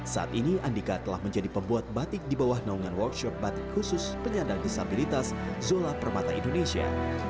saat ini andika telah menjadi pembuat batik di bawah naungan workshop batik khusus penyandang disabilitas zola permata indonesia